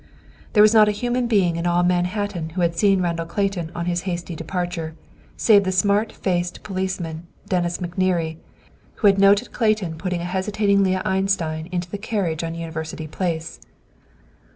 There was not a human being in all Manhattan who had seen Mr. Randall Clayton on his hasty departure, save the smart faced policeman, Dennis McNerney, who had noted Clayton put the hesitating Leah Einstein into the carriage on University Place.